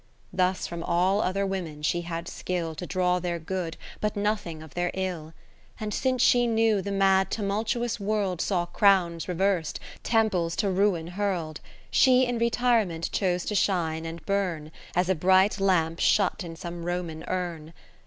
Thus from all other women she had skill To draw their good, but nothing of their ill. And since she knew the mad tumultuous World Saw crowns revers'd, temples to ruin hurl'd ; She in retirement chose to shine and burn, As a bright lamp shut in some Roman urn.